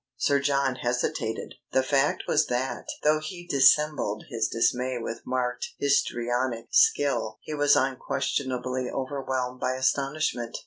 Sir John hesitated. The fact was that, though he dissembled his dismay with marked histrionic skill, he was unquestionably overwhelmed by astonishment.